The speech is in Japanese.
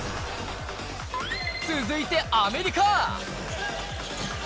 続いてアメリカ。